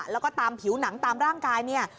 แล้วก็ตามผิวหนังตามร่างกายเนี่ย